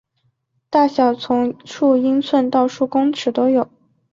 大小从数英寸到数公尺都有。